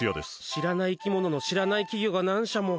知らない生き物の知らない企業が何社も。